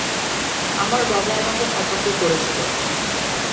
আমার বাবা আমাকে সতর্ক করেছিল!